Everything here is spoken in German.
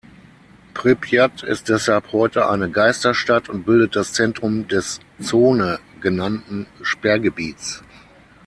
Prypjat ist deshalb heute eine "Geisterstadt" und bildet das Zentrum des "Zone" genannten Sperrgebiets.